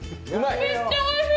めっちゃおいしい！